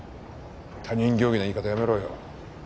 他人行儀な言い方やめろよ。